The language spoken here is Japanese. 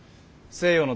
西洋の？